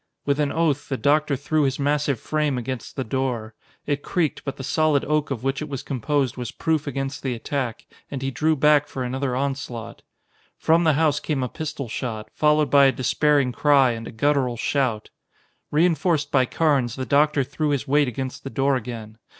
With an oath the doctor threw his massive frame against the door. It creaked, but the solid oak of which it was composed was proof against the attack, and he drew back for another onslaught. From the house came a pistol shot, followed by a despairing cry and a guttural shout. Reinforced by Carnes, the doctor threw his weight against the door again.